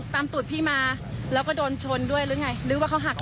ตูดพี่มาแล้วก็โดนชนด้วยหรือไงหรือว่าเขาหัก